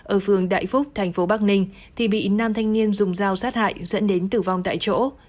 ở phường đại phúc thành phố bắc ninh thì bị nam thanh niên dùng dao sát hại dẫn đến tử vong tại chỗ